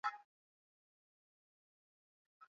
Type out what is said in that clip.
na sasa hivi baadhi ya viongozi mbalimbali wanajiuzulu